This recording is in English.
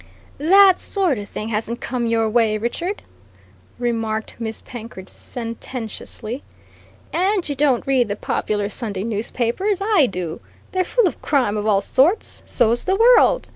"That sort of thing hasn't come your way, Richard," remarked Miss Penkridge sententiously. "And you don't read the popular Sunday newspapers. I do! They're full of crime of all sorts. So's the world.